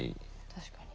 確かに。